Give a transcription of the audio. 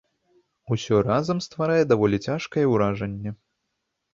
Усё разам стварае даволі цяжкае ўражанне.